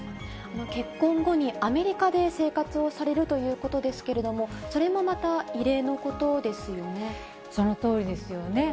結婚後にアメリカで生活をされるということですけれども、そのとおりですよね。